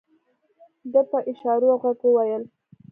ده په اشارو او غږ وويل.